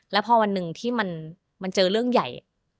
แล้วพอวันหนึ่งที่มันเจอเรื่องใหญ่